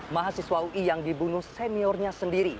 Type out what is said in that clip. mahasiswa ui yang dibunuh seniornya sendiri